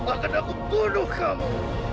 akan aku bunuh kamu